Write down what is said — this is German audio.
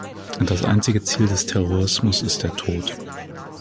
Das einzige Ziel des Terrorismus ist der Tod.